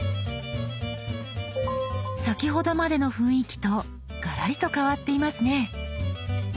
先ほどまでの雰囲気とガラリと変わっていますね。